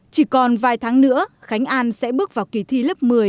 chỉ còn vài tháng nữa khánh an sẽ bước vào kỳ thi lớp một mươi